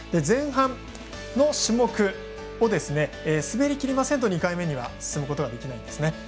前半の種目を滑りきりませんと２回目には進むことはできないんですね。